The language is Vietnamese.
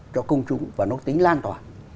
cho công chúng và nó tính lan toàn